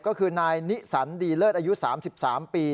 ก็คือนายนิสันดีเลิศอายุ๓๓ปี